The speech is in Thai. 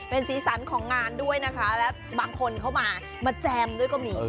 เป็นสีสันของงานด้วยนะคะและบางคนเข้ามามาแจมด้วยก็มี